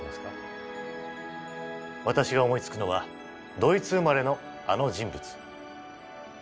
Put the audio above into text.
私が思いつくのはドイツ生まれのあの人物。